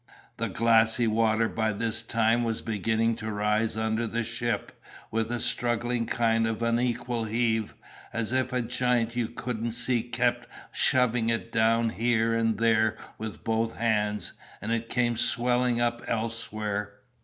"The glassy water by this time was beginning to rise under the ship with a struggling kind of unequal heave, as if a giant you couldn't see kept shoving it down here and there with both hands, and it came swelling up elsewhere.